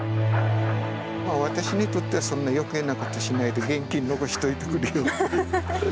私にとっては余計な事しないで現金残しといてくれよって。